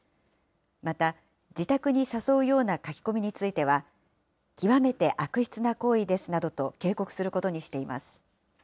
また、自宅に誘うような書き込みについては、極めて悪質な行為ですなどと警告することにしています。